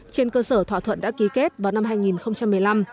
trên cơ sở thỏa thuận đã ký kết vào năm hai nghìn một mươi năm